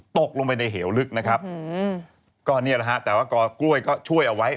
ตกลงไปในเหวลึกนะครับก็นี่แหละฮะแต่ว่ากอกล้วยก็ช่วยเอาไว้